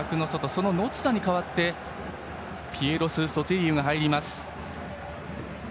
その野津田に代わってピエロス・ソティリウが入ります。